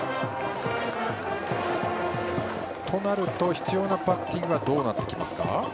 となると必要なバッティングはどうなりますか。